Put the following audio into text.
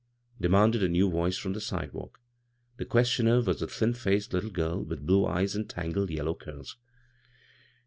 demanded a new voice from the ^dewalk. The questioner was a thin bced little giri with blue eyes and tangled yellow curls.